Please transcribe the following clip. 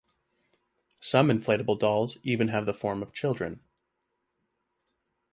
Some inflatable dolls even have the form of children.